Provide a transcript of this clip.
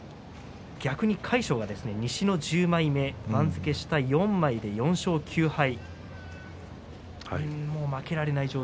逆に魁勝が西の１０枚目番付下４枚で４勝９敗。